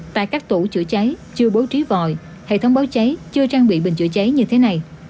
tại các tổ chữa cháy chưa bố trí vòi hệ thống báo cháy chưa trang bị bình chữa cháy như thế này